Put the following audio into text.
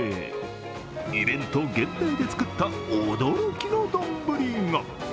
イベント限定で作った驚きの丼が。